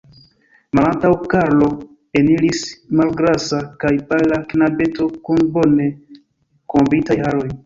Malantaŭ Karlo eniris malgrasa kaj pala knabeto kun bone kombitaj haroj.